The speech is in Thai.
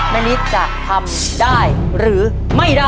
นิดจะทำได้หรือไม่ได้